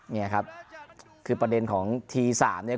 เนี่ยครับคือประเด็นของทีสามเนี่ย